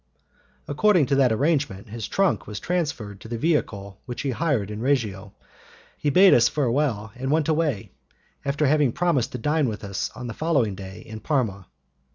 According to that arrangement his trunk was transferred to the vehicle which he hired in Reggio, he bade us farewell and went away, after having promised to dine with us on the following day in Parma.